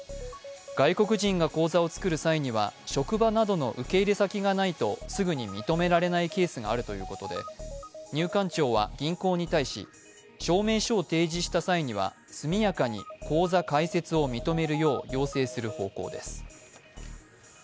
外国人が口座をつくる際には職場などの受け入れ先がないとすぐに認められないケースがあるということで入管庁は銀行に対し、証明書を提示した際には速やかに口座開設を認めるよう要請する方向です。